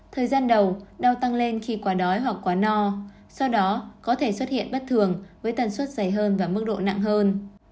thời gian đầu đau tăng lên khi quá đói hoặc quả no sau đó có thể xuất hiện bất thường với tần suất dày hơn và mức độ nặng hơn